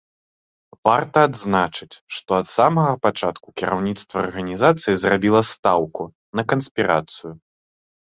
Варта адзначыць, што ад самага пачатку кіраўніцтва арганізацыі зрабіла стаўку на канспірацыю.